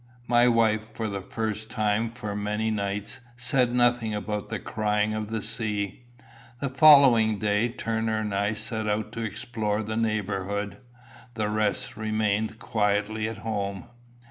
My wife, for the first time for many nights, said nothing about the crying of the sea. The following day Turner and I set out to explore the neighbourhood. The rest remained quietly at home.